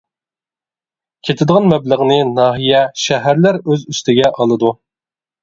كېتىدىغان مەبلەغنى ناھىيە شەھەرلەر ئۆز ئۈستىگە ئالىدۇ.